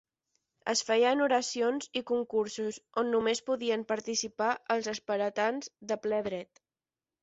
Es feien oracions i concursos on només podien participar els espartans de ple dret.